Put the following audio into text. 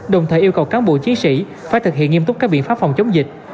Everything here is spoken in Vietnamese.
đồng thời yêu cầu cán bộ chiến sĩ phải thực hiện nghiêm túc các biện pháp phòng chống dịch